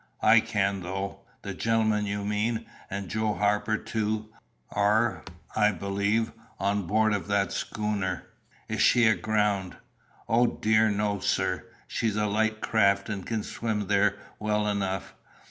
"I can, though. The gentleman you mean, and Joe Harper too, are, I believe, on board of that schooner." "Is she aground?" "O dear no, sir. She's a light craft, and can swim there well enough.